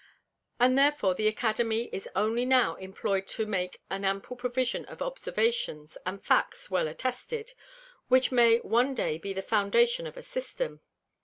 And therefore the Academy is only now employ'd to make an ample Provision of Observations, and Facts well attested, which may one day be the foundation of a System.